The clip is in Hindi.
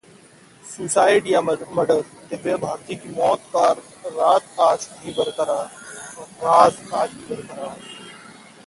सुसाइड या मर्डर, दिव्या भारती की मौत का राज आज भी बरकरार